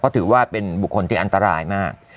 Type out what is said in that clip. ถือว่าเป็นบุคคลที่อันตรายมาก